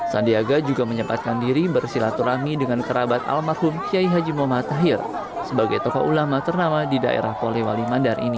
sandiaga juga menyempatkan diri bersilaturahmi dengan kerabat almarhum kiai haji muhammad tahir sebagai tokoh ulama ternama di daerah polewali mandar ini